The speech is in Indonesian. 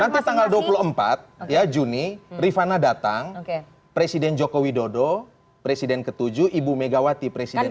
nanti tanggal dua puluh empat juni rifana datang presiden jokowi dodo presiden ke tujuh ibu megawati presiden ke lima